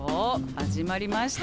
始まりました。